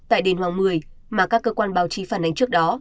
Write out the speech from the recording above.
tại đền hoàng một mươi mà các cơ quan báo chí phản ánh trước đó